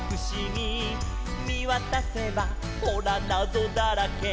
「みわたせばほらなぞだらけ」